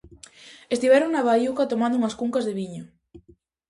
Estiveron na baiuca tomando unhas cuncas de viño.